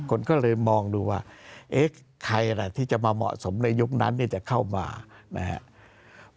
คนก็เลยมองดูว่าเอ๊ะใครล่ะที่จะมาเหมาะสมในยุคนั้นจะเข้ามานะครับ